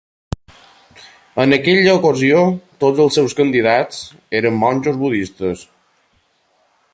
En aquella ocasió, tots els seus candidats eren monjos budistes.